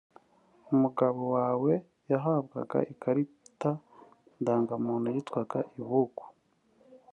umugabo wawe yahabwaga ikarita Ndangamuntu yitwaga Ibuku